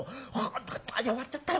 あ弱っちゃったな